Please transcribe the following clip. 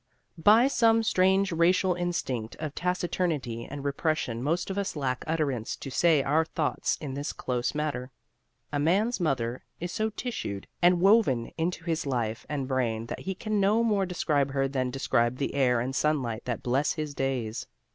By some strange racial instinct of taciturnity and repression most of us lack utterance to say our thoughts in this close matter. A man's mother is so tissued and woven into his life and brain that he can no more describe her than describe the air and sunlight that bless his days.